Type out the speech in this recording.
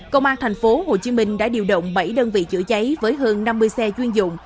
công an thành phố hồ chí minh đã điều động bảy đơn vị chữa cháy với hơn năm mươi xe chuyên dụng